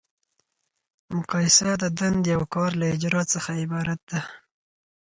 مقایسه د دندې او کار له اجرا څخه عبارت ده.